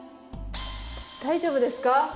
大丈夫ですか？